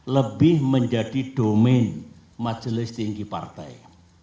lebih menjadi negeri jaringan majelis tinggi partai